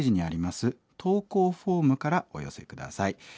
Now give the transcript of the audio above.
投稿フォームからお寄せ下さい。